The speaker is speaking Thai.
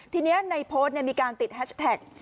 ทีนี้ในโพสต์มีการติดแฮชแท็ก